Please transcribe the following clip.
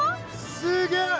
すげえ！